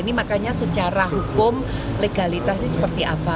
ini makanya secara hukum legalitasnya seperti apa